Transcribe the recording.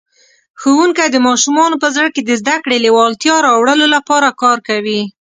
ښوونکی د ماشومانو په زړه کې د زده کړې لېوالتیا راوړلو لپاره کار کوي.